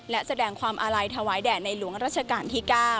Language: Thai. และแสดงความอาลัยถวายแด่ในหลวงราชการที่๙